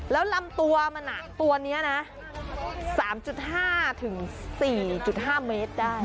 แล้วลำตัวมันตัวนี้นะ๓๕๔๕เมตรได้